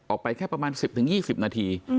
ออกไปแค่ประมาณ๑๐๒๐นาที